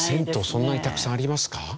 そんなにたくさんありますか？